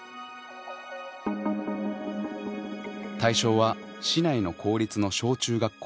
対象は市内の公立の小中学校